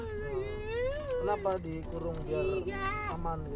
kenapa dikurung biar aman